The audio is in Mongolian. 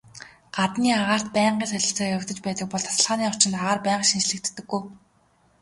Гаднын агаарт байнгын солилцоо явагдаж байдаг бол тасалгааны орчинд агаар байнга шинэчлэгддэггүй.